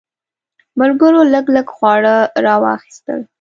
ملګرو لږ لږ خواړه راواخیستل.